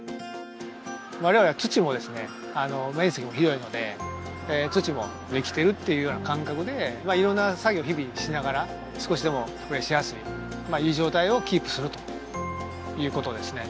我々は土も面積も広いので土も生きているっていうような感覚で色んな作業を日々しながら少しでもプレーしやすいいい状態をキープするということですね